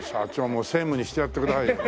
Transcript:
もう専務にしてやってくださいよ。